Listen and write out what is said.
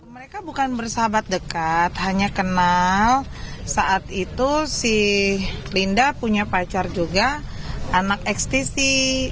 mereka bukan bersahabat dekat hanya kenal saat itu si linda punya pacar juga anak ekstsi